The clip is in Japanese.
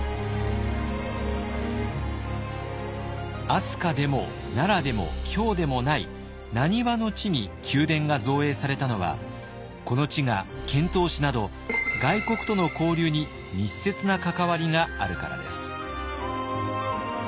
飛鳥でも奈良でも京でもない難波の地に宮殿が造営されたのはこの地が遣唐使など外国との交流に密接な関わりがあるからです。